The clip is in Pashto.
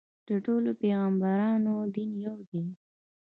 د ټولو پیغمبرانو دین یو دی.